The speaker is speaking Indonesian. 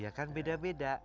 iya kan beda beda